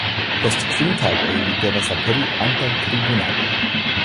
Post kvin tagoj li devas aperi antaŭ tribunalo.